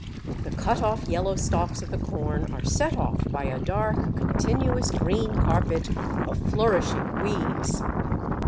The cut off yellow stalks of the corn are set off by a dark continuous green carpet of flourishing weeds.